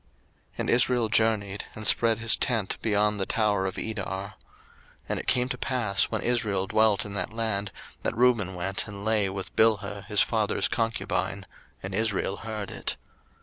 01:035:021 And Israel journeyed, and spread his tent beyond the tower of Edar. 01:035:022 And it came to pass, when Israel dwelt in that land, that Reuben went and lay with Bilhah his father's concubine: and Israel heard it.